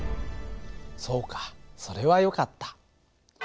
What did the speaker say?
そうかそれはよかった。